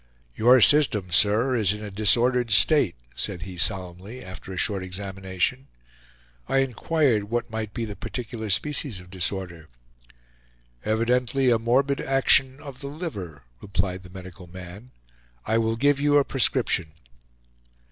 "Your system, sir, is in a disordered state," said he solemnly, after a short examination. I inquired what might be the particular species of disorder. "Evidently a morbid action of the liver," replied the medical man; "I will give you a prescription."